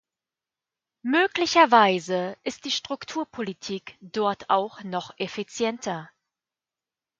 Möglicherweise ist die Strukturpolitik dort auch noch effizienter.